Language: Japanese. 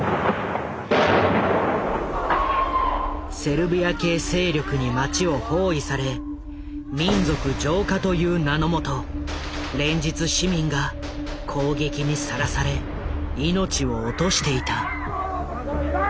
セルビア系勢力に街を包囲され「民族浄化」という名のもと連日市民が攻撃にさらされ命を落としていた。